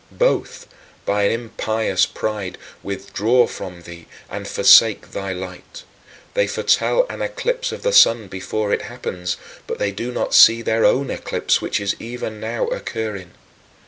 Both, by an impious pride, withdraw from thee and forsake thy light. They foretell an eclipse of the sun before it happens, but they do not see their own eclipse which is even now occurring.